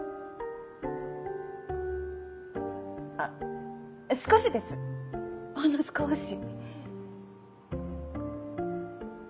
あっ少しですほんの少し。